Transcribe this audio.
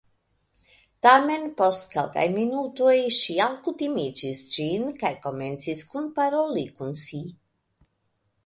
Tamen post kelkaj minutoj ŝi alkutimiĝis ĝin, kaj komencis kunparoli kun si.